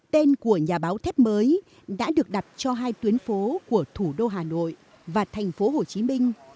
tên của nhà báo thép mới đã được đặt cho hai tuyến phố của thủ đô hà nội và thành phố hồ chí minh